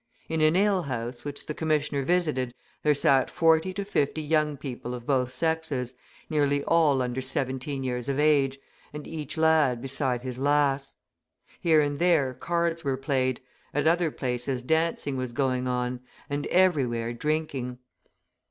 In an ale house which the commissioner visited, there sat forty to fifty young people of both sexes, nearly all under seventeen years of age, and each lad beside his lass. Here and there cards were played, at other places dancing was going on, and everywhere drinking.